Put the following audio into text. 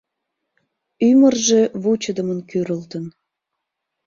Ӱмыржӧ вучыдымын кӱрылтын.